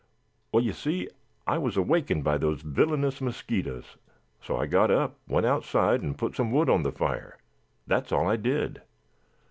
"Well, you see, I was awakened by those villainous mosquitoes, so I got up, went outside, and put some wood on the fire that's all I did."